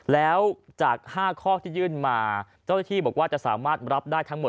แล้วจาก๕ข้อที่ยื่นมาเจ้าหน้าที่บอกว่าจะสามารถรับได้ทั้งหมด